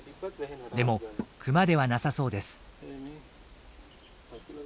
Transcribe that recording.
でもクマではなさそうです。